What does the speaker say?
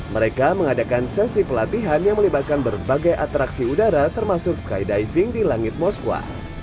mereka mengadakan sesi pelatihan yang melibatkan berbagai atraksi udara termasuk skydiving di langit moskwa